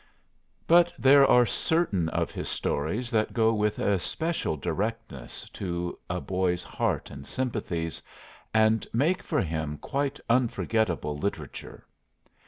But there are certain of his stories that go with especial directness to a boy's heart and sympathies and make for him quite unforgettable literature.